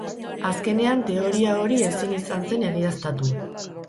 Azkenean teoria ori ezin izan zen egiaztatu.